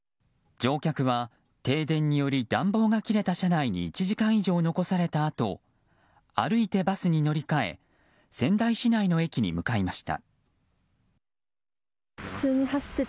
乗客は停電により暖房が切れた車内に１時間以上残されたあと歩いてバスに乗り換え仙台市内の駅に向かいました。